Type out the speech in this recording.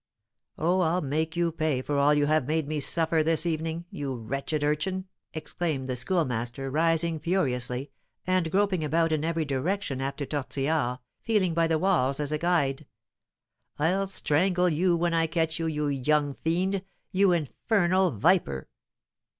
"Oh, I'll make you pay for all you have made me suffer this evening, you wretched urchin!" exclaimed the Schoolmaster, rising furiously, and groping about in every direction after Tortillard, feeling by the walls as a guide. "I'll strangle you when I catch you, you young fiend you infernal viper!"